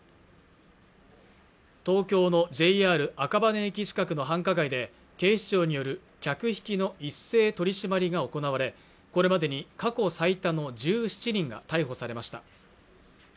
東京のＪＲ赤羽駅近くの繁華街で警視庁による客引きの一斉取り締まりが行われこれまでに過去最多の１７人が逮捕されました